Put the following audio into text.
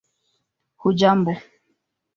hujambo